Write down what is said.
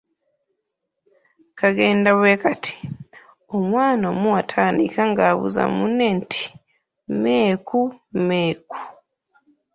Kagenda bwe kati; omwana omu atandika ng’abuuza munne nti, Mmeeku, mmeeku?